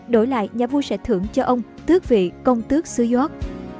đổi lại nhà vua sẽ thưởng cho ông tước vị công tước sứ york